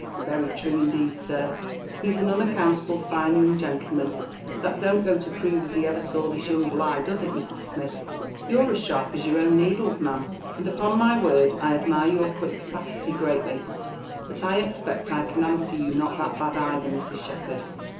' Very true indeed, sir, he's an unaccountable fine young gentleman; hut that don't go to prove as he ever saw this young Bligh, does it, Mr. Smith ?"" You*re as sharp as your own needles, ma'am» and upon my word I admire your quick capacity greatly ; but I expect 1 can answer you not that bad either, Mrs. Shepherd.